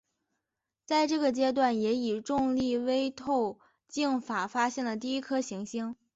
在这个阶段也以重力微透镜法发现了第一颗行星。